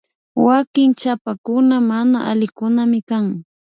Wanki chapakuna mana alikunaminkan